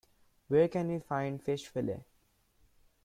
Where can we find fish fillet?